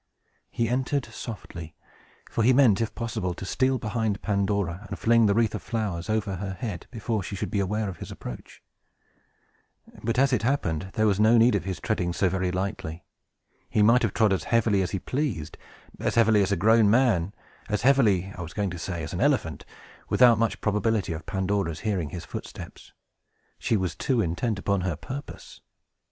He entered softly; for he meant, if possible, to steal behind Pandora, and fling the wreath of flowers over her head, before she should be aware of his approach. But, as it happened, there was no need of his treading so very lightly. He might have trod as heavily as he pleased, as heavily as a grown man, as heavily, I was going to say, as an elephant, without much probability of Pandora's hearing his footsteps. She was too intent upon her purpose.